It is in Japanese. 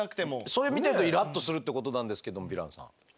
それを見てるとイラッとするってことなんですけどヴィランさん。